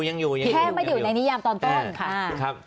แค่ไม่ได้อยู่ในนิยามตอนต้น